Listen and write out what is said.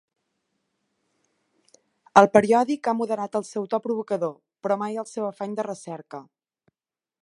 El periòdic ha moderat el seu to provocador, però mai el seu afany de recerca.